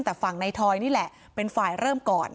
แต่ฝั่งในทอยนี่แหละเป็นฝ่ายเริ่มก่อน